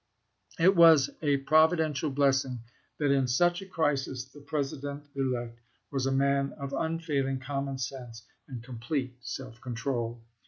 It was a providential blessing that in such a crisis the President elect was a man of unfailing common sense and complete self control.